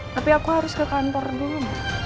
tapi aku harus ke kantor dulu